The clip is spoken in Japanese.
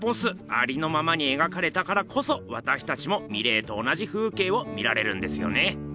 ありのままに描かれたからこそわたしたちもミレーと同じ風景を見られるんですよね。